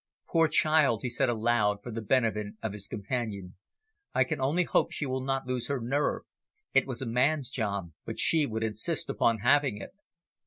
"Poor child!" he said aloud, for the benefit of his companion, "I can only hope she will not lose her nerve. It was a man's job, but she would insist upon having it."